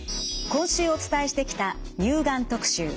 今週お伝えしてきた乳がん特集。